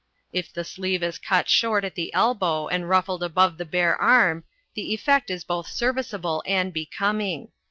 If the sleeve is cut short at the elbow and ruffled above the bare arm, the effect is both serviceable and becoming.